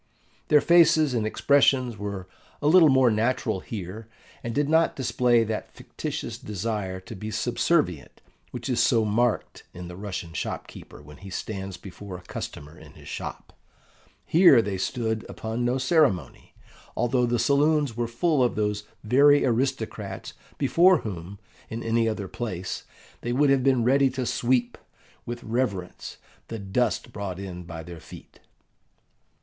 Their faces and expressions were a little more natural here, and did not display that fictitious desire to be subservient which is so marked in the Russian shop keeper when he stands before a customer in his shop. Here they stood upon no ceremony, although the saloons were full of those very aristocrats before whom, in any other place, they would have been ready to sweep, with reverence, the dust brought in by their feet.